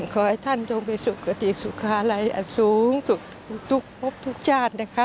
ขอให้ท่านต้องไปสุขศุกราชสูงสุขทุกชาตินะคะ